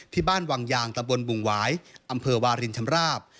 บ้านวังยางตะบนบุงหวายอำเภอวารินชำราบ